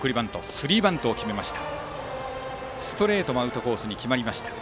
スリーバントを決めました。